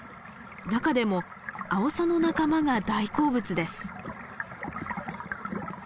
中でもアオサの仲間が大好物です。